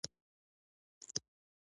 میاشتې وشوې کمپیوټر هماسې بند دی